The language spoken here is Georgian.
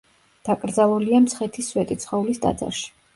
დაკრძალულია მცხეთის სვეტიცხოვლის ტაძარში.